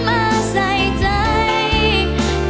ถูกเขาทำร้ายเพราะใจเธอแบกรับมันเอง